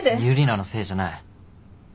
ユリナのせいじゃない。